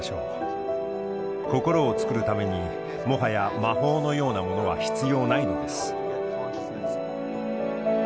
心を作るためにもはや魔法のようなものは必要ないのです。